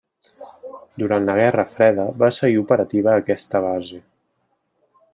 Durant la Guerra Freda va seguir operativa aquesta base.